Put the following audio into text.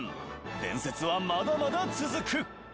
伝説はまだまだ続く！